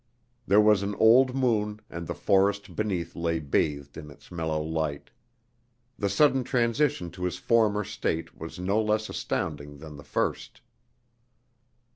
There was an old moon, and the forest beneath lay bathed in its mellow light. The sudden transition to his former state was no less astounding than the first.